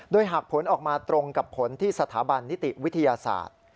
โดยหากผลออกมาตรงกับผลที่สถาบันนิติวิทยาศาสตร์